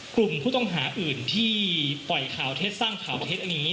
กลุ่มผู้ต้องหาอื่นที่ปล่อยข่าวเท็จสร้างข่าวเท็จอย่างนี้